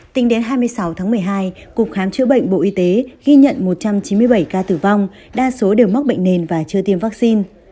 tính đến hai mươi sáu tháng một mươi hai cục khám chữa bệnh bộ y tế ghi nhận một trăm chín mươi bảy ca tử vong đa số đều mắc bệnh nền và chưa tiêm vaccine